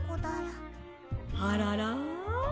「あらら？」。